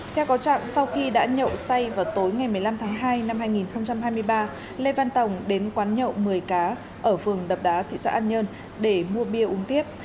theo có trạng sau khi đã nhậu say vào tối ngày một mươi năm tháng hai năm hai nghìn hai mươi ba lê văn tổng đến quán nhậu một mươi cá ở phường đập đá thị xã an nhơn để mua bia uống tiếp